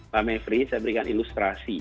pak mevry saya memberikan ilustrasi